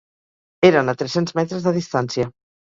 Eren a tres-cents metres de distància.